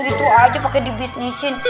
gitu aja pake dibisnisin